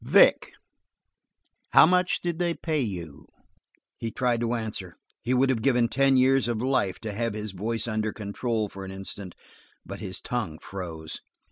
"Vic, how much did they pay you?" He tried to answer; he would have given ten years of life to have his voice under control for an instant; but his tongue froze.